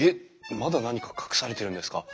まだ何か隠されてるんですか？